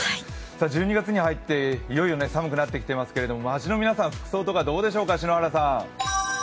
１２月に入っていよいよ寒くなってきていますけど、街の皆さん、服装とかどうでしょうか、篠原さん？